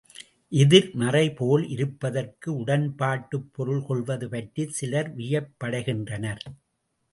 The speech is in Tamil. எதிர்மறைபோல் இருப்பதற்கு உடன்பாட்டுப் பொருள் கொள்வது பற்றிச் சிலர் வியப்படைகின்றனர்.